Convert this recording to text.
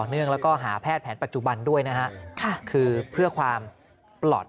เนื่องแล้วก็หาแพทย์แผนปัจจุบันด้วยนะฮะคือเพื่อความปลอดภัย